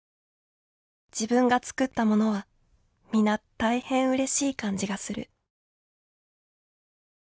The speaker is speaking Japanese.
自分が作ったものは皆大変うれしい感じがする」。